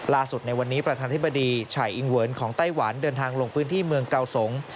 ในวันนี้ประธานธิบดีชายอิงเวิร์นของไต้หวันเดินทางลงพื้นที่เมืองเกาสงศ์